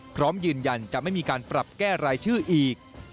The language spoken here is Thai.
พร้อมยืนยันจะไม่มีการปรับแก้รายชื่ออีก